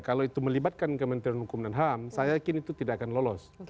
kalau itu melibatkan kementerian hukum dan ham saya yakin itu tidak akan lolos